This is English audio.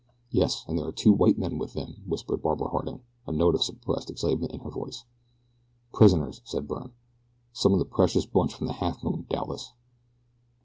"Yes, and there are two white men with them," whispered Barbara Harding, a note of suppressed excitement in her voice. "Prisoners," said Byrne. "Some of the precious bunch from the Halfmoon doubtless."